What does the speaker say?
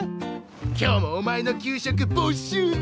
今日もお前の給食没収だ！